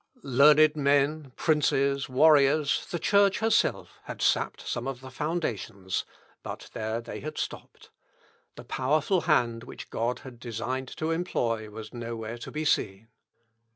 Learned men, princes, warriors, the Church herself, had sapped some of the foundations: but there they had stopped. The powerful hand which God had designed to employ was nowhere to be seen.